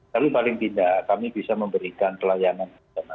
tapi paling tidak kami bisa memberikan pelayanan